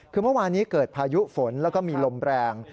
คือเมื่อวานนี้เกิดพายุฝนแล้วก็มีลมแรง